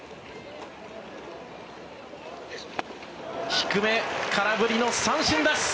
低め、空振りの三振です。